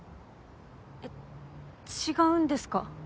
えっ違うんですか？